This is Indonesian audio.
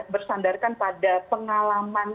bersandarkan pada pengalaman